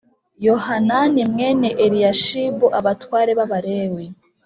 Yohanani mwene Eliyashibu Abatware b’Abalewi